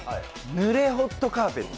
濡れホットカーペット。